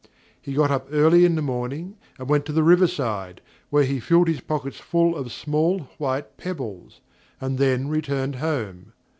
He got up early in the morning, and went to the river side, where he filled his pockets full of small white pebbles, and then returned home.